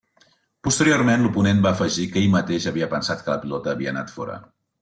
Posteriorment, l'oponent va afegir que ell mateix havia pensat que la pilota havia anat fora.